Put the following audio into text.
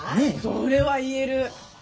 それは言える。